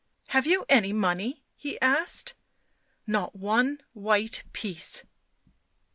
" Have you any money ?" he asked. " Not one white piece."